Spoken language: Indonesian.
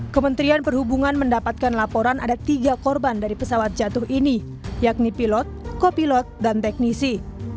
kementerian perhubungan mendapatkan laporan ada tiga korban dari pesawat jatuh ini yakni pilot kopilot dan teknisi